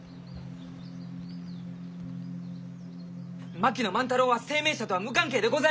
槙野万太郎は声明社とは無関係でございます！